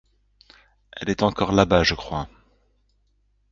Elle est encore là-bas, je crois.